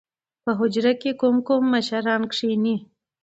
په حجره کښې کوم کوم مشران کښېني؟